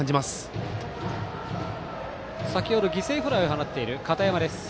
バッターは先程犠牲フライを放っている片山です。